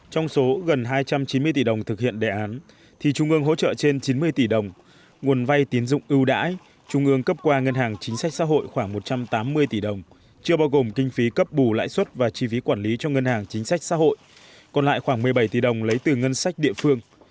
trong số gần hai trăm chín mươi tỷ đồng thực hiện đề án thì trung ương hỗ trợ trên chín mươi tỷ đồng nguồn vay tín dụng ưu đãi trung ương cấp qua ngân hàng chính sách xã hội khoảng một trăm tám mươi tỷ đồng chưa bao gồm kinh phí cấp bù lãi suất và chi phí quản lý cho ngân hàng chính sách xã hội còn lại khoảng một mươi bảy tỷ đồng lấy từ ngân sách địa phương